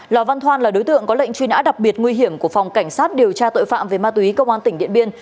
lò văn thoan là đối tượng có lệnh truy nã đặc biệt nguy hiểm của phòng cảnh sát điều tra tội phạm về ma túy công an tỉnh điện biên